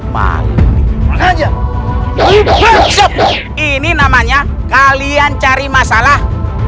malih makan aja ini namanya kalian cari masalah